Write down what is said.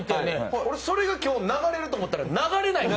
俺、それが今日、流れると思ったら流れないんです。